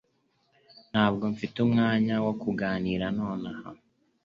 Ntabwo mfite umwanya wo kuganira nonaha